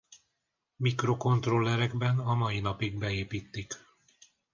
Mikrokontrollerekben a mai napig beépítik.